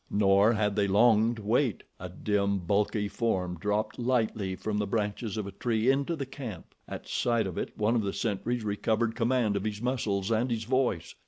Nor had they long to wait. A dim, bulky form dropped lightly from the branches of a tree into the camp. At sight of it one of the sentries recovered command of his muscles and his voice.